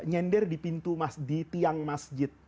nyender di pintu masjid di tiang masjid